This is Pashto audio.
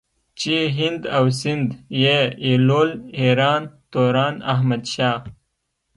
چې هند او سندھ ئې ايلول ايران توران احمد شاه